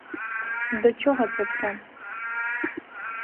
До чого все це?